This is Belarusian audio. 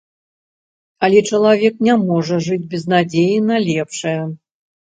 Але чалавек не можа жыць без надзеі на лепшае.